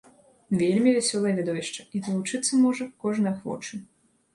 Вельмі вясёлае відовішча, і далучыцца можа кожны ахвочы!